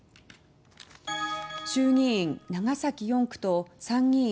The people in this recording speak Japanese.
衆議院長崎４区と参議院